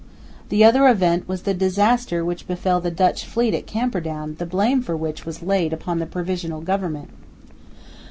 The other event was the disaster which befell the Dutch fleet at Camperdown, the blame for which was laid upon the Provisional Government.